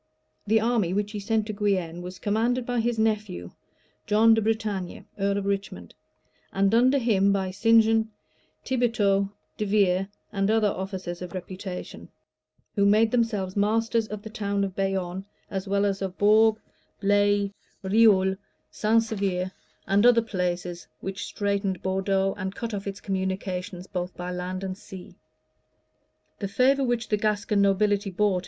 [] The army which he sent to Guienne, was commanded by his nephew, John de Bretagne, earl of Richmond, and under him by St. John, Tibetot, De Vere, and other officers of reputation;[] who made themselves masters of the town of Bayonne, as well as of Bourg, Blaye, Reole, St. Severe, and other places, which straitened Bordeaux, and cut off its communication both by sea and land. * Heming. vol, i. p. 51.